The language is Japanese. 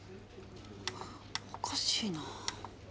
おかしいな。